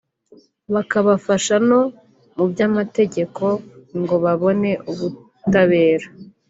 bakabashafa no mu by’amategeko ngo babone ubutabera